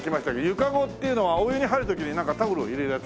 湯かごっていうのはお湯に入る時にタオルを入れるやつ？